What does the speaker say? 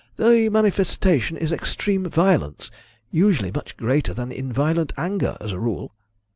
The manifestation is extreme violence usually much greater than in violent anger, as a rule."